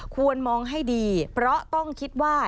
ควรมองให้ดีเพราะต้องคิดว่า